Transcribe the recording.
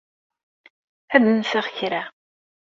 Ad d-nseɣ kra.